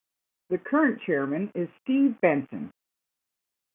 The current Chairman is Steve Benson.